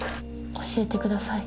教えてください。